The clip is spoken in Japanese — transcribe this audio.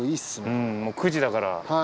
うんもう９時だから。